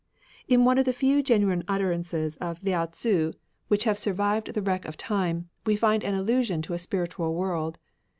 In one of the few genuine utterances of Lao 46 TAOISM Tzu which have survived the wreck of time, we find an allusion to a spiritual world.